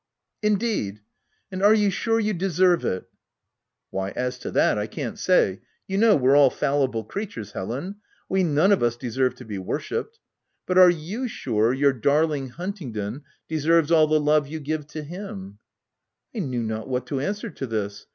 " Indeed ! and are you sure you deserve it V s " Why, as to that, I can't say : you know we're all fallible creatures, Helen ; we none of us deserve to be worshipped. But are you sure your darling Huntingdon deserves all the love you give to him V 9 I knew not what to answer to this.